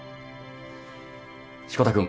志子田君。